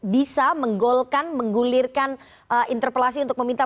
bisa menggolkan menggulirkan interpelasi untuk meminta